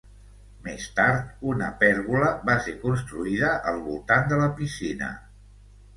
Més tard, una pèrgola va ser construïda al voltant de la piscina.